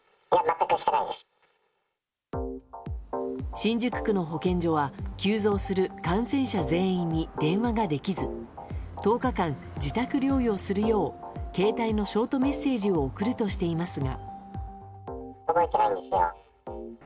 新宿区の保健所は急増する感染者全員に電話ができず１０日間、自宅療養するよう携帯のショートメッセージを送るとしていますが。